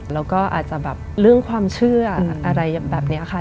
แล้วก็อาจจะแบบเรื่องความเชื่ออะไรแบบนี้ค่ะ